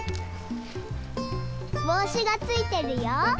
ぼうしがついてるよ。